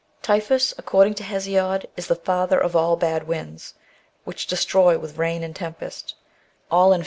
Typhoeus, according to Hesiod, is the father of all bad winds, which destroy with rain and tempest, all in ♦ Apud TwYSDEN, Hist.